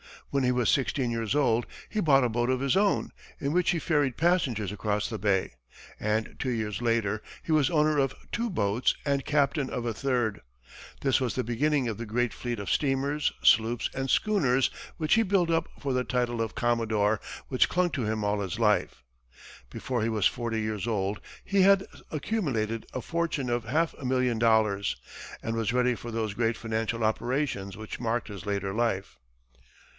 When he was sixteen years old, he bought a boat of his own, in which he ferried passengers across the bay, and two years later he was owner of two boats and captain of a third. This was the beginning of the great fleet of steamers, sloops and schooners which he built up for the navigation of the shores of New York bay and the Hudson river, which won him the title of "Commodore," which clung to him all his life. Before he was forty years old, he had accumulated a fortune of half a million dollars, and was ready for those great financial operations which marked his later life.